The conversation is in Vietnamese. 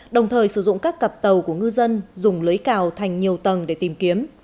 đồng thời sử dụng các cặp tàu của ngư dân dùng lưới cào thành nhiều tầng để tìm kiếm